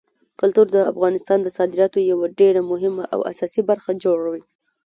کلتور د افغانستان د صادراتو یوه ډېره مهمه او اساسي برخه جوړوي.